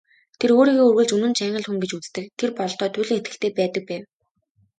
Тэр өөрийгөө үргэлж үнэнч Англи хүн гэж үздэг, тэр бодолдоо туйлын итгэлтэй байдаг байв.